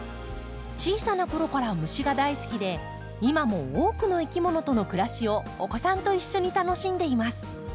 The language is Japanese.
小さなころから虫が大好きで今も多くのいきものとの暮らしをお子さんと一緒に楽しんでいます。